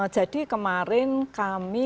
jadi kemarin kami